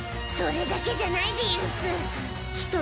それだけじゃないでヤンス。